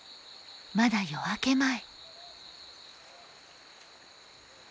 まだ夜明け前。